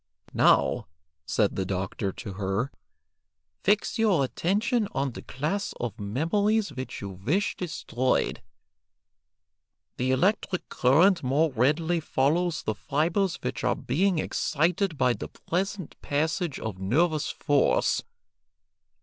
"Now," said the doctor to her, "fix your attention on the class of memories which you wish destroyed; the electric current more readily follows the fibres which are being excited by the present passage of nervous force.